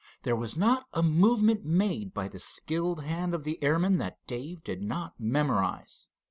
There was not a movement made by the skilled hand of the airman that Dave did not memorize.